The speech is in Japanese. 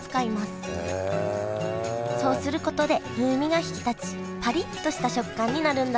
そうすることで風味が引き立ちパリッとした食感になるんだ